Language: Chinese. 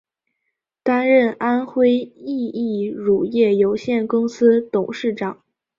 担任安徽益益乳业有限公司董事长。